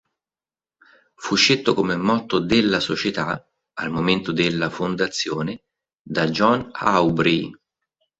Fu scelto come motto della società, al momento della fondazione, da John Aubrey.